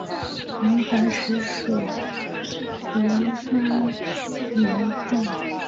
明矾石属于硫酸盐矿物。